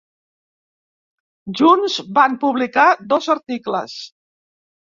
Junts van publicar dos articles.